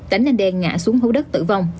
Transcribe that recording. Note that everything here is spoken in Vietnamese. đánh anh đen ngã xuống hố đất tử vong